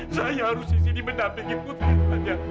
saya harus disini menampilkan putri saya